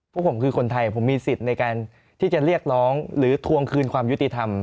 พวกผมคือคนไทยผมมีสิทธิ์ในการที่จะเรียกร้องหรือทวงคืนความยุติธรรม